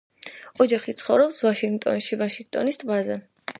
ოჯახი ცხოვრობს ვაშინგტონში, ვაშინგტონის ტბაზე.